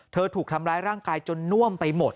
ถูกทำร้ายร่างกายจนน่วมไปหมด